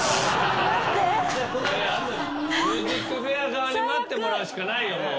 『ＭＵＳＩＣＦＡＩＲ』側に待ってもらうしかないよ。